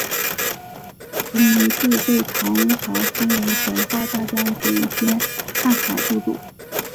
吐迷度被唐朝封为怀化大将军兼瀚海都督。